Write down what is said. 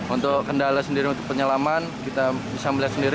untuk kendala sendiri untuk penyelaman kita bisa melihat sendiri